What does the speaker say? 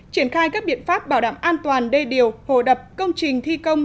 triển khai các biện pháp bảo đảm an toàn đê điều hồ đập công trình thi công